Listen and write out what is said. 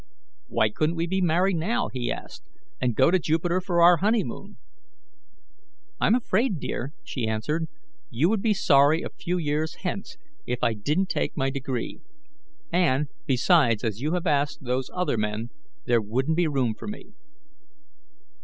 "Why couldn't we be married now," he asked, "and go to Jupiter for our honeymoon?" "I'm afraid, dear," she answered, "you would be sorry a few years hence if I didn't take my degree; and, besides, as you have asked those other men, there wouldn't be room for me."